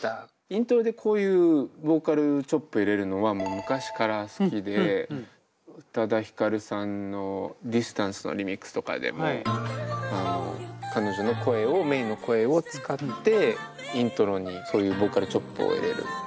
イントロでこういうボーカルチョップ入れるのはもう昔から好きで宇多田ヒカルさんの「ＤＩＳＴＡＮＣＥ」のリミックスとかでも彼女の声をメインの声を使ってイントロにそういうボーカルチョップを入れるっていうのをやったりとか。